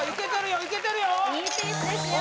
いいペースですよ